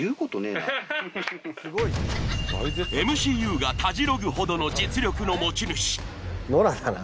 ＭＣＵがたじろぐほどの実力の持ち主。